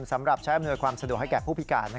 สำหรับใช้อำนวยความสะดวกให้แก่ผู้พิการ